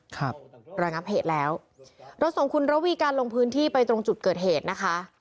ครับระงับเหตุแล้วเราส่งคุณระวีการลงพื้นที่ไปตรงจุดเกิดเหตุนะคะ